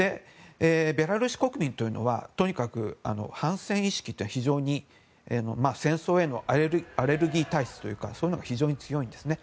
ベラルーシ国民というのはとにかく反戦意識が戦争へのアレルギー体質というかそういうものが非常に強いんですね。